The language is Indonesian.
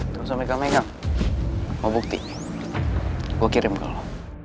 tunggu sampe kamu enggak mau bukti gue kirim ke lo